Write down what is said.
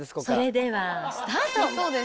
それではスタート。